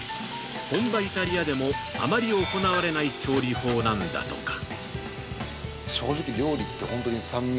本場イタリアでも、あまり行われない調理法なんだとか。